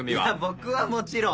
僕はもちろん。